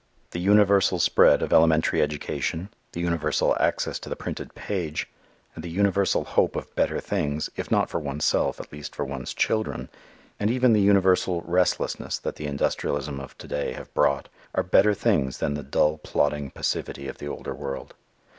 The universal spread of elementary education, the universal access to the printed page, and the universal hope of better things, if not for oneself, at least for one's children, and even the universal restlessness that the industrialism of to day have brought are better things than the dull plodding passivity of the older world.